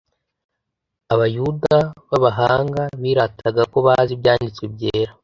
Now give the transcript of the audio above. Abayuda b'abahanga birataga ko bazi Ibyanditswe byera,